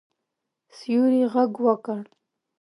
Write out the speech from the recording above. سیوري غږ وکړ.